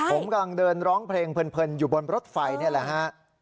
ผมกำลังเดินร้องเพลงเพลินอยู่บนรถไฟนี่แหละฮะ